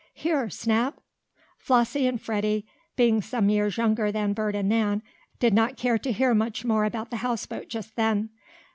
Here, Snap!" Flossie and Freddie, being some years younger than Bert and Nan, did not care to bear much more about the houseboat just then.